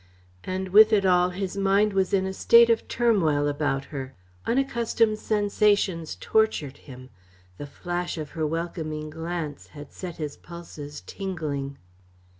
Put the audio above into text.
And with it all his mind was in a state of turmoil about her. Unaccustomed sensations tortured him. The flash of her welcoming glance had set his pulses tingling.